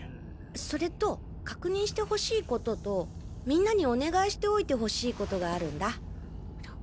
それと確認して欲しい事とみんなにお願いしておいて欲しい事があるんだ。